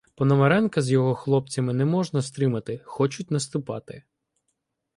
Пономаренка з його хлопцями не можна стримати — хочуть наступати.